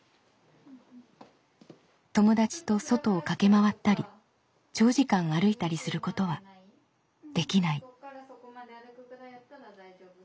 友達と外を駆け回ったり長時間歩いたりすることはできない。